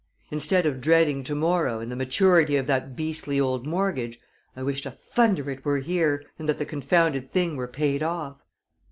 "Instead of dreading to morrow and the maturity of that beastly old mortgage, I wish to thunder it were here, and that the confounded thing were paid off."